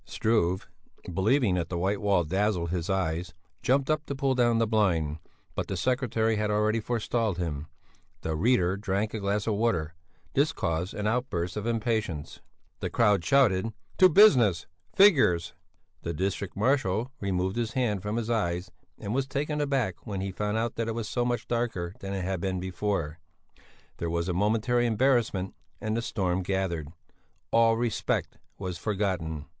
Struve, believing that the white wall dazzled his eyes, jumped up to pull down the blind, but the secretary had already forestalled him. The reader drank a glass of water. This caused an outburst of impatience. "To business! Figures!" The district marshal removed his hand from his eyes and was taken aback when he found that it was so much darker than it had been before. There was a momentary embarrassment and the storm gathered. All respect was forgotten.